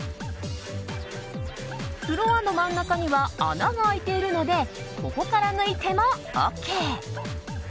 フロアの真ん中には穴が開いているのでここから抜いてもＯＫ。